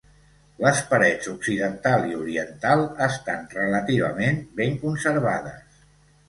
Les parets occidental i oriental estan relativament ben conservades.